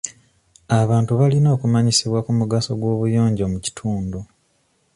Abantu balina okumanyisibwa ku mugaso gw'obuyonjo mu kitundu.